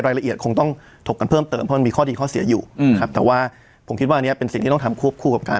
ละเอียดคงต้องถกกันเพิ่มเติมเพราะมันมีข้อดีข้อเสียอยู่ครับแต่ว่าผมคิดว่าอันนี้เป็นสิ่งที่ต้องทำควบคู่กับการ